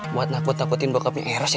buat nakut nakutin bokopnya eros ya